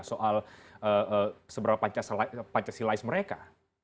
soal seberapa panca silais mereka